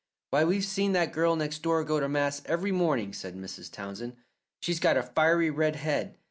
"Why, we've seen that girl next door go to mass every morning," said Mrs. Townsend. "She's got a fiery red head.